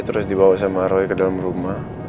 terus dibawa sama roy ke dalam rumah